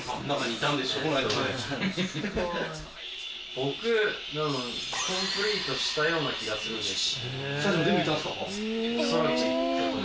僕、コンプリートしたような気がするんです。